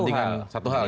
ini satu hal